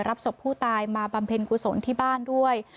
รับศพผู้ตายมาบำเพ็ญกุศลที่บ้านด้วย